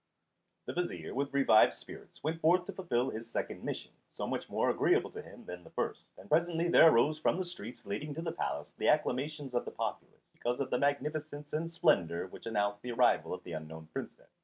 ] The vizier, with revived spirits, went forth to fulfil this second mission, so much more agreeable to him than the first; and presently there arose from the streets leading to the palace the acclamations of the populace because of the magnificence and splendour which announced the arrival of the unknown Princess.